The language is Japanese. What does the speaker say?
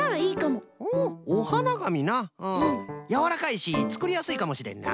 やわらかいしつくりやすいかもしれんな。